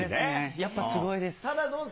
やっぱすごいです。